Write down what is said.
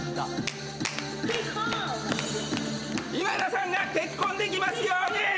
今田さんが結婚できますように。